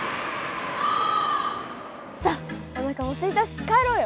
さあおなかもすいたし帰ろうよ。